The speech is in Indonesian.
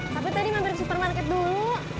tapi tadi mampir ke supermarket dulu